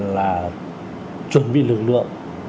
là chuẩn bị lực lượng